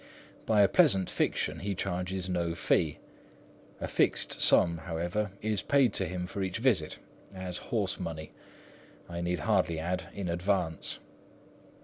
By a pleasant fiction, he charges no fees; a fixed sum, however, is paid to him for each visit, as "horse money,"—I need hardly add, in advance.